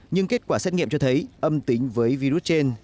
nhưng kết quả xét nghiệm cho thấy âm tính với virus trên